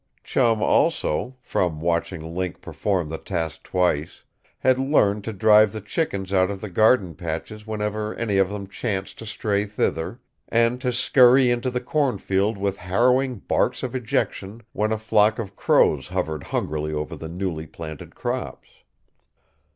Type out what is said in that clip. Chum also from watching Link perform the task twice had learned to drive the chickens out of the garden patches whenever any of them chanced to stray thither, and to scurry into the cornfield with harrowing barks of ejection when a flock of crows hovered hungrily above the newly planted crops.